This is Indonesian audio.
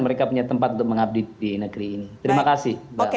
mereka punya tempat untuk mengabdi di negeri ini